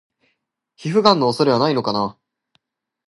皮膚ガンの恐れはないのかな？